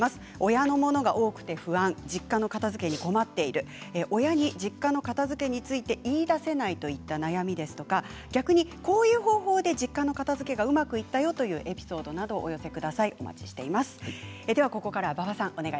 親の物が多くて不安実家の片づけに困っている親に実家の片づけについて言いだせないといった悩みや逆に、こういう方法で実家の片づけがうまくいったというエピソードなどお待ちしています。